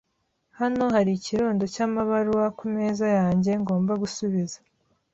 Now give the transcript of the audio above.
Hano hari ikirundo cyamabaruwa kumeza yanjye ngomba gusubiza.